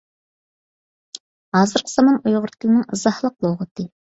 ھازىرقى زامان ئۇيغۇر تىلىنىڭ ئىزاھلىق لۇغىتى